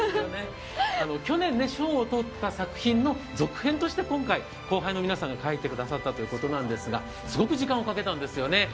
去年、賞を取った作品の続編として今回、後輩の皆さんが描いてくださったということですが、すごく時間をかけたんですよね。